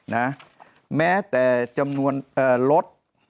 นะแม้แต่จำนวนลด